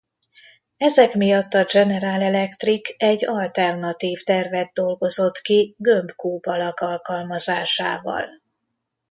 Ezek miatt a General Electric egy alternatív tervet dolgozott ki gömb-kúp alak alkalmazásával.